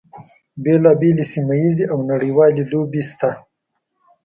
بیلا بېلې سیمه ییزې او نړیوالې لوبې شته دي.